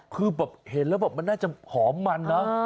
คือแบบเห็นแล้วแบบมันน่าจะหอมมันเนอะ